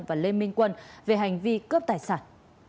và lê minh quân về hành vi cướp tài sản